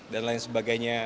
dan lain sebagainya